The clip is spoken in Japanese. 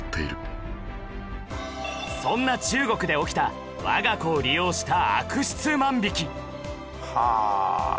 そんな中国で起きた我が子を利用した悪質万引き